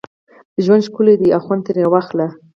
ژوند ښکلی دی او خوند ترې واخله